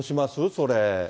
それ。